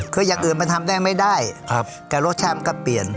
คืออย่างอื่นมันทำได้ไม่ได้แต่รสชาติมันก็เปลี่ยน